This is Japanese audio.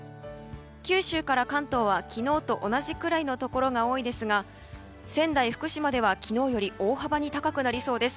九州から関東は、昨日と同じくらいのところが多いですが仙台、福島では昨日より大幅に高くなりそうです。